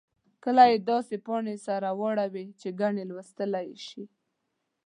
کله یې داسې پاڼې سره واړوئ چې ګنې لوستلای یې شئ.